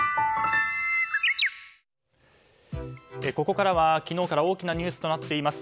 ここからは、昨日から大きなニュースになっています